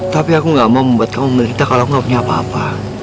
tapi aku tidak mau membuat kamu mengerita kalau aku tidak punya apa apa